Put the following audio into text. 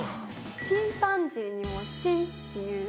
「チンパンジー」にも「チン」っていう。